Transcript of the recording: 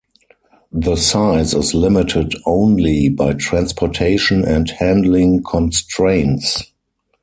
The size is limited only by transportation and handling constraints.